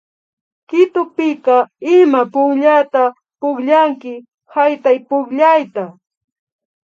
Quitopika ima punllata pukllanki haytaypukllayta